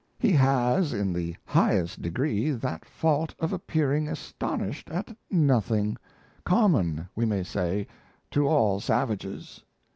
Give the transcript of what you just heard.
He has in the highest degree that fault of appearing astonished at nothing common, we may say, to all savages.